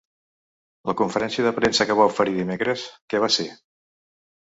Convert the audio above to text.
La conferència de premsa que va oferir dimecres, què va ser?